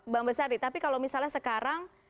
bang besari tapi kalau misalnya sekarang